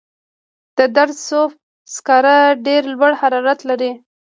د دره صوف سکاره ډیر لوړ حرارت لري.